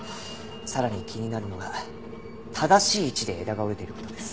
さらに気になるのが正しい位置で枝が折れている事です。